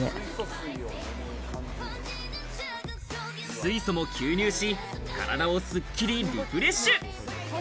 水素も吸入し、体をすっきりリフレッシュ。